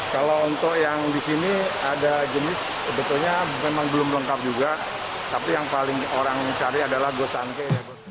kalau untuk yang di sini ada jenis sebetulnya memang belum lengkap juga tapi yang paling orang cari adalah go sanke